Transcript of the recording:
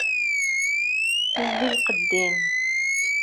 Zdi lqedd-im.